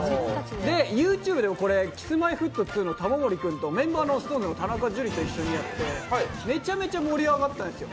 ＹｏｕＴｕｂｅでもＫｉｓ−Ｍｙ−Ｆｔ２の玉森君とメンバーのＳｉｘＴＯＮＥＳの田中樹と一緒にやって、めちゃめちゃ盛り上がったんですよ。